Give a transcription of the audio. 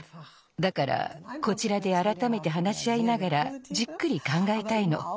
だからこちらであらためてはなしあいながらじっくりかんがえたいの。